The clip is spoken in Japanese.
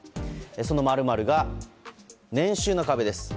その○○が、年収の壁です。